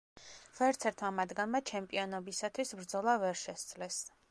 ვერცერთმა მათგანმა ჩემპიონობისათვის ბრძოლა ვერ შესძლეს.